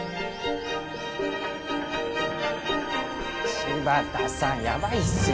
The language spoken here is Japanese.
柴田さんやばいっすよ！